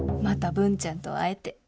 また文ちゃんと会えて。